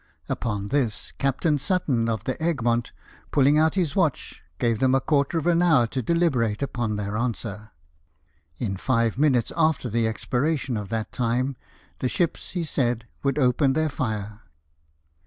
Upon this, Captain Sutton, of the Egmont, pulling out his watch, gave them a quarter of an hour to deliberate upon their answer. In five minutes after the expiration of that time the ships, he said, would open their fire.